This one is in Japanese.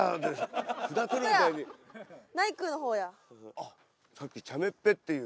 あっさっき「ちゃめっぺ」っていう。